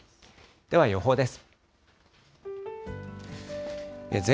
では予報です。